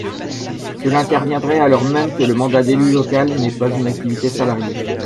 Cela interviendrait alors même que le mandat d’élu local n’est pas une activité salariée.